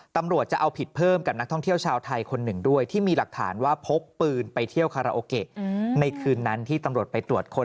ตำรวจจะเอาผิดเพิ่มกับนักท่องเที่ยวชาวไทยคนหนึ่งด้วยที่มีหลักฐานว่าพกปืนไปเที่ยวคาราโอเกะในคืนนั้นที่ตำรวจไปตรวจค้น